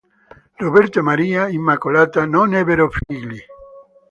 Roberto e Maria Immacolata non ebbero figli.